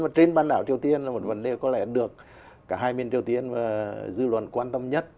và trên bán đảo triều tiên là một vấn đề có lẽ được cả hai miền triều tiên và dư luận quan tâm nhất